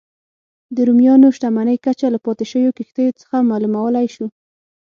د رومیانو شتمنۍ کچه له پاتې شویو کښتیو څخه معلومولای شو